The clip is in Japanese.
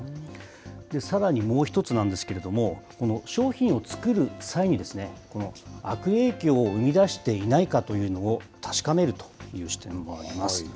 さらにもう１つなんですけれども、商品を作る際に、悪影響を生み出していないかというのを確かめるという視点もあります。